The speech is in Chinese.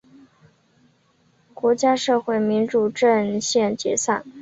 国家社会民主阵线解散。